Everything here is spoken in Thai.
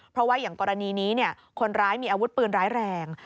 เพราะว่าอย่างกรณีนี้คนร้ายมีอาวุธปืนร้ายแรง